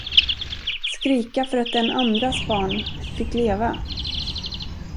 Skrika för att den andras barn fick leva!